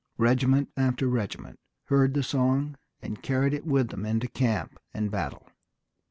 Regiment after regiment heard the song and carried it with them into camp and battle.